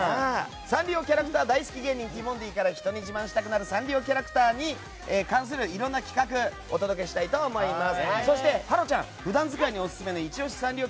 サンリオキャラクター大好き芸人ティモンディから人に自慢したくなるサンリオキャラクターに関するいろんな企画お届けしたいと思います。